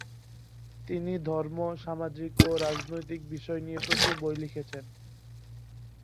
তিনি ধর্ম, সামাজিক ও রাজনৈতিক বিষয় নিয়ে প্রচুর বই লিখেছেন।